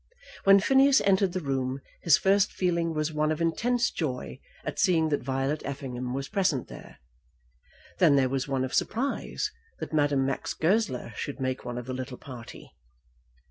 When Phineas entered the room his first feeling was one of intense joy at seeing that Violet Effingham was present there. Then there was one of surprise that Madame Max Goesler should make one of the little party.